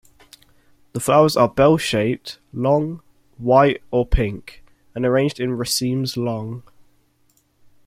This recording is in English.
The flowers are bell-shaped, long, white or pink, and arranged in racemes long.